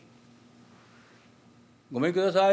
「ごめんください。